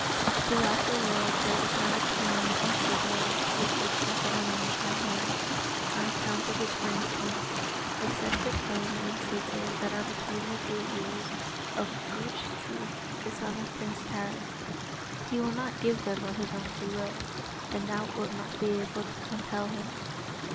"Throughout the world there is not a comb or scissors with which I can arrange my hair, on account of its rankness, except the comb and scissors that are between the two ears of Turch Truith, the son of Prince Tared. He will not give them of his own free will, and thou wilt not be able to compel him."